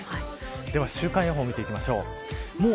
では週間予報を見ていきましょう。